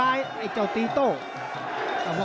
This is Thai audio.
ฝ่ายทั้งเมืองนี้มันตีโต้หรืออีโต้